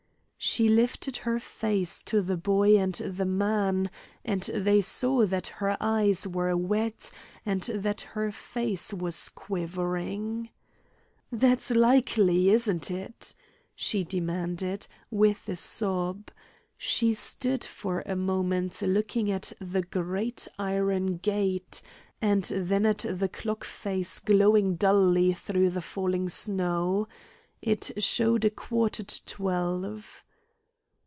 She lifted her face to the boy and the man, and they saw that her eyes were wet and that her face was quivering. "That's likely, isn't it?" she demanded, with a sob. She stood for a moment looking at the great iron gate, and then at the clock face glowing dully through the falling snow: it showed a quarter to twelve.